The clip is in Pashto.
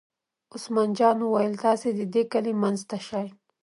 عثمان جان وویل: تاسې د دې کلي منځ ته شئ.